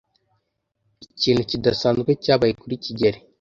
Ikintu kidasanzwe cyabaye kuri kigeli.